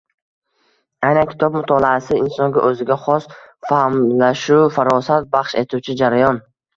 Aynan kitob mutolaasi insonga o‘ziga xos fahmlashu farosat baxsh etguvchi jarayon